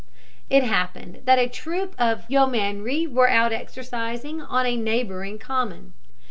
It happened that a troop of yeomanry were out exercising on a neighbouring common.